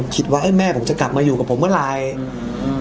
คิดว่าเอ้ยแม่ผมจะกลับมาอยู่กับผมเมื่อไหร่อืม